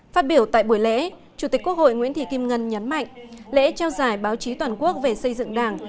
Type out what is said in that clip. phát biểu tại buổi lễ chủ tịch quốc hội nguyễn thị kim ngân nhấn mạnh lễ trao giải báo chí toàn quốc về xây dựng đảng